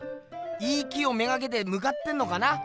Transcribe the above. いい木を目がけてむかってんのかな？